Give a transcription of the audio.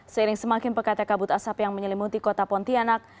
seiring semakin pekatnya kabut asap yang menyelimuti kota pontianak